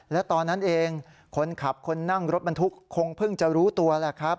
และตอนนั้นเองคนขับคนนั่งรถบรรทุกคงเพิ่งจะรู้ตัวแหละครับ